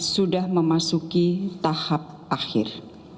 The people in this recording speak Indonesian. sudah memasuki tahap akhir